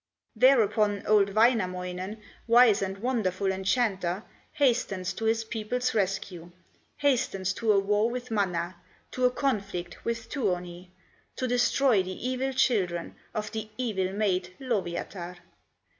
Thereupon old Wainamoinen, Wise and wonderful enchanter, Hastens to his people's rescue, Hastens to a war with Mana, To a conflict with Tuoni, To destroy the evil children Of the evil maid, Lowyatar.